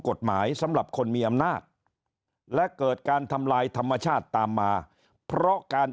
สำหรับคนมีอำนาจและเกิดการทำลายธรรมชาติตามมาเพราะการ